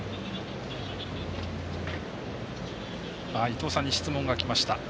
伊東さんに質問がきました。